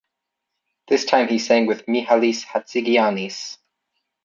This time he sang with Mihalis Hatzigiannis.